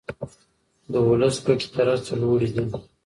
د ولس ګټې تر هر څه لوړې دي.